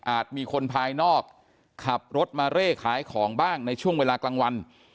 มีคนภายนอกขับรถมาเร่ขายของบ้างในช่วงเวลากลางวัน